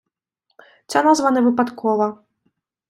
Ця назва не випадкова.